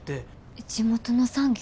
地元の産業。